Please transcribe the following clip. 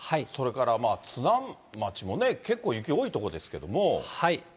それから津南町も結構雪多い所ですけれども。